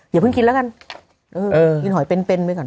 อย่าเพิ่งกินแล้วกันเออเออกินหอยเป็นไว้ก่อน